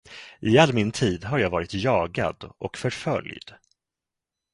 I all min tid har jag varit jagad och förföljd.